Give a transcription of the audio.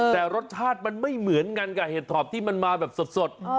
แต่รสชาติมันไม่เหมือนกันกับเห็ดถอบที่มันมาแบบสด